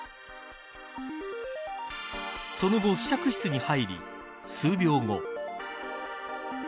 その後、試着室に入り数秒後。